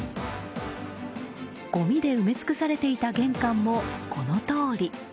ごみで埋め尽くされていた玄関もこのとおり。